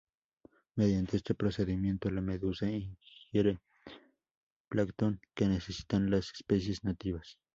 Mediante este procedimiento la medusa ingiere plancton que necesitan las especies nativas.